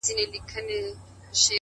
کورونا چي پر دنیا خپل وزر خپور کړ-